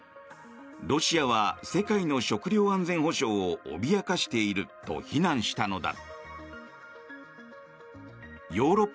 ロシアは世界の食料安全保障を脅かしていると非難したのだ。